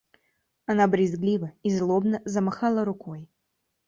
Она брезгливо и злобно замахала рукой.